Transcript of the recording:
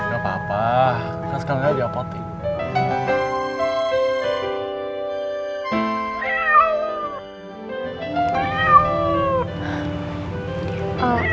gakpapa kasih kalian aja poting